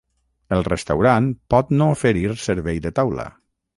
El restaurant pot no oferir servei de taula.